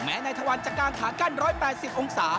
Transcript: แม้ในทะวันจากการขากั้น๑๘๐องศา